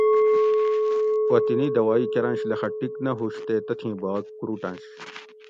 اوطِنی دوائ کۤرنش لخہ ٹِک نہ ہُش تے تتھیں بھاگ کُرُٹنش